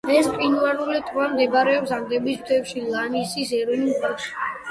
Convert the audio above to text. ეს მყინვარული ტბა მდებარეობს ანდების მთებში, ლანინის ეროვნულ პარკში.